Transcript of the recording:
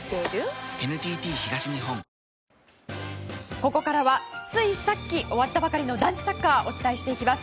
ここからは、ついさっき終わったばかりの男子サッカーをお伝えしていきます。